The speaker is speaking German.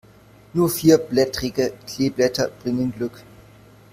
Nur vierblättrige Kleeblätter bringen Glück.